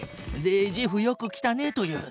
で「ジェフよく来たね」と言う。